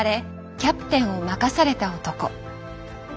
キャプテンを任された男。